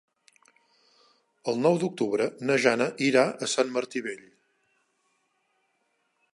El nou d'octubre na Jana irà a Sant Martí Vell.